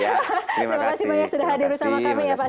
terima kasih banyak sudah hadir bersama kami